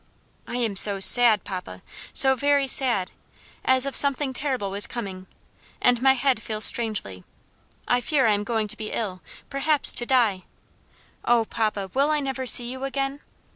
I am so sad, papa, so very sad, as if something terrible was coming, and my head feels strangely. I fear I am going to be ill, perhaps to die! Oh, papa, will I never see you again?